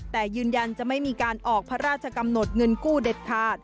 แต่ยืนยันจะไม่มีการออกพระราชกำหนดเงินกู้เด็ดขาด